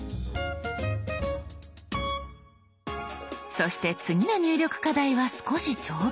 そして次の入力課題は少し長文。